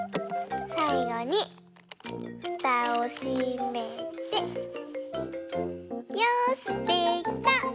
さいごにふたをしめてよしできた！